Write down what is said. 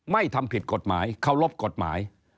ทำผิดกฎหมายเคารพกฎหมาย